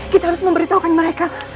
kita harus memberitahukan mereka